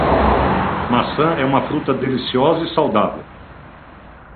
Maçã é uma fruta deliciosa e saudável.